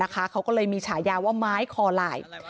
เขาก็เลยมีฉายาว่าไม้คอหลาย